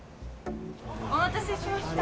お待たせしました。